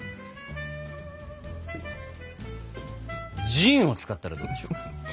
ジンを使ったらどうでしょうか？